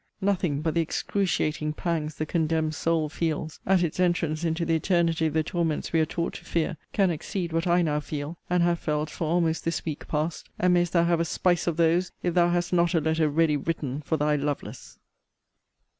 Nothing but the excruciating pangs the condemned soul fells, at its entrance into the eternity of the torments we are taught to fear, can exceed what I now feel, and have felt for almost this week past; and mayest thou have a spice of those, if thou hast not a letter ready written for thy LOVELACE.